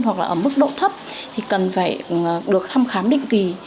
hoặc là ở mức độ thấp thì cần phải được thăm khám định kỳ